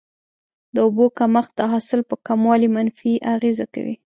د اوبو کمښت د حاصل په کموالي منفي اغیزه کوي.